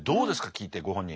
聞いてご本人。